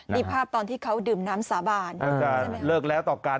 นี่ภาพตอนที่เขาดื่มน้ำสาบาล